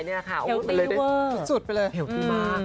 เที่ยวดีเวอร์สุดไปเลยเที่ยวดีมาก